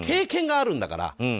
経験があるんだから。